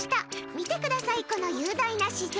見てください、この雄大な自然！